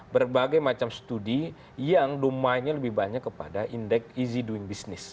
berbagai macam studi yang domainnya lebih banyak kepada indeks easy doing business